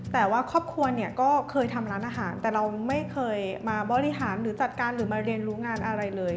แต่ว่าครอบครัวเนี่ยก็เคยทำร้านอาหารแต่เราไม่เคยมาบริหารหรือจัดการหรือมาเรียนรู้งานอะไรเลย